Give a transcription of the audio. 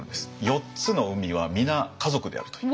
４つの海は皆家族であるという。